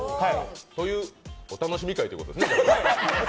というお楽しみ会ということですね？